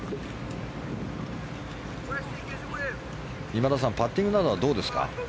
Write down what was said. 今田さん、パッティングなどはどうですか？